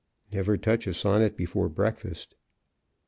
Never touch a sonnet before breakfast.